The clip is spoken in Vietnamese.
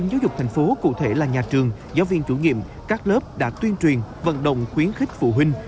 giáo dục thành phố cụ thể là nhà trường giáo viên chủ nhiệm các lớp đã tuyên truyền vận động khuyến khích phụ huynh